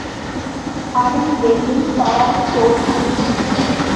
அறம் வெல்லும் பாவம் தோற்கும்.